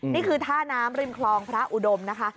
นี่คือท่าน้ำริมคลองพระอุดมนะคะ